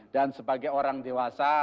dan sebagai orang dewasa